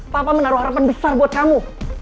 papa menaruh harapan besar buat kamu